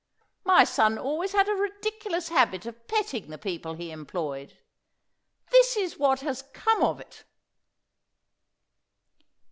My son always had a ridiculous habit of petting the people he employed. This is what has come of it."